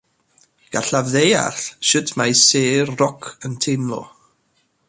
Gallaf ddeall sut mae sêr roc yn teimlo.